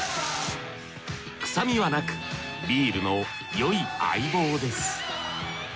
臭みはなくビールのよい相棒です。